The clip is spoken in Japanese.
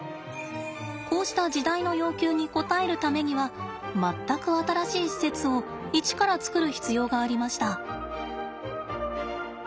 こうした時代の要求に応えるためには全く新しい施設を一から作る必要がありました。